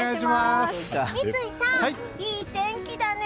三井さん、いい天気だね。